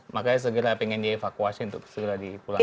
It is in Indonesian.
makanya segera pengen dievakuasi untuk segera dipulangkan